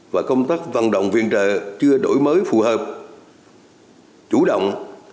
và công tác văn động viện trợ chưa đổi mới phù hợp chủ động